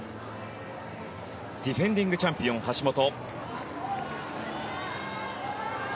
ディフェンディングチャンピオン橋本。